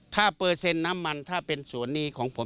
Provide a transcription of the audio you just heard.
ถ้าเปอร์เซ็นต์น้ำมันถ้าเป็นสวนนี้ของผม